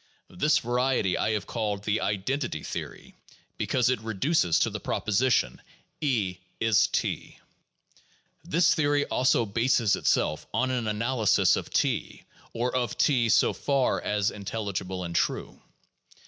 This variety I have called the '' identity '' theory, because it reduces to the proposition : E is T. This theory also bases itself on an analysis of T, or of T so far as intelligible and true.